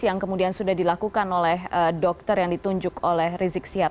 yang kemudian sudah dilakukan oleh dokter yang ditunjuk oleh rizik sihab